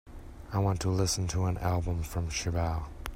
I want to listen to an album from Sibel.